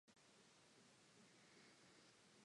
Now we want our chance to try our wings on the oceans.